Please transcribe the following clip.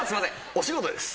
お仕事です。